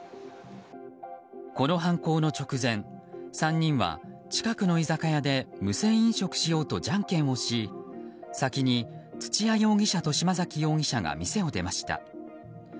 この犯行の直前３人は、近くの居酒屋で無銭飲食しようとじゃんけんをし先に土屋容疑者と島崎容疑者が店を出ました。